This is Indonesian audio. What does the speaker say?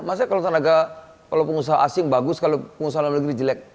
maksudnya kalau tenaga kalau pengusaha asing bagus kalau pengusaha dalam negeri jelek